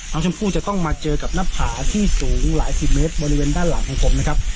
น้องชมพู่จะต้องมาเจอกับหน้าผาที่สูงหลายสิบเมตรบริเวณด้านหลังของผมนะครับ